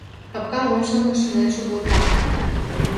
Капка ончылно шонен шогылтам.